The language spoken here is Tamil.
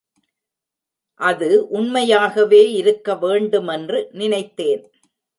அது உண்மையாகவே இருக்க வேண்டுமென்று நினைத்தேன்.